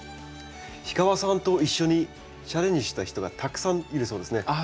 氷川さんと一緒にチャレンジした人がたくさんいるそうですね。